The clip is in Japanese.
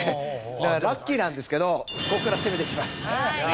だからラッキーなんですけどここから攻めていきます。